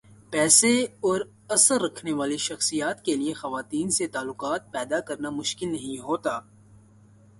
پیسے اور اثر رکھنے والی شخصیات کیلئے خواتین سے تعلقات پیدا کرنا مشکل نہیں ہوتا۔